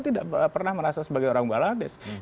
tidak pernah merasa sebagai orang bangladesh